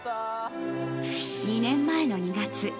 ２年前の２月。